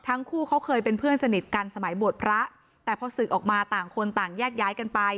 ทั้งคู่เขาเคยเป็นเพื่อนสนิทกันสมัยบวชพระแต่พอศึกออกมาต่างคนต่างแยกย้ายกันไป